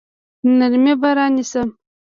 نرمي به رانیسم.